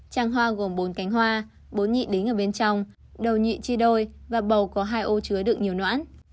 trang hoa gồm bốn cánh hoa bốn nhị đính ở bên trong đầu nhị chi đôi và bầu có hai ô chứa được nhiều nõn